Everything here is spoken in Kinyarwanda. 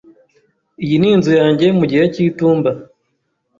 Iyi ni inzu yanjye mu gihe cy'itumba.